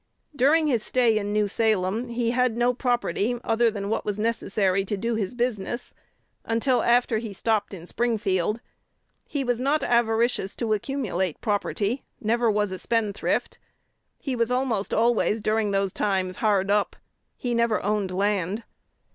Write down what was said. "During his stay in New Salem he had no property other than what was necessary to do his business, until after he stopped in Springfield. He was not avaricious to accumulate property, neither was he a spendthrift. He was almost always during those times hard up. He never owned land.